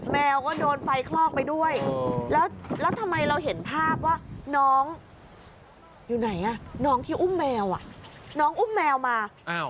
แมวก็โดนไฟคลอกไปด้วยแล้วทำไมเราเห็นภาพว่าน้องอยู่ไหนน้องที่อุ้มแมวน้องอุ้มแมวมา